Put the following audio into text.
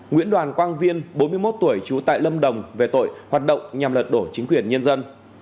nguyễn đoàn quang viên bốn mươi một tuổi trú tại lâm đồng về tội hoạt động nhằm lật đổ chính quyền nhân dân